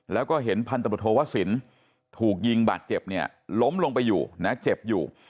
แล้วก็เห็นพันธบทโทวสินถูกยิงบาดเจ็บเนี่ยล้มลงไปอยู่นะเจ็บอยู่